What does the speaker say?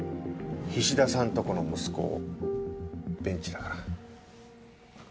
菱田さんとこの息子ベンチだから。